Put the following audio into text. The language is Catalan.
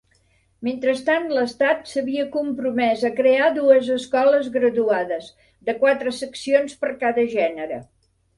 Mentrestant l'Estat s'havia compromès a crear dues escoles graduades, de quatre seccions per cada gènere.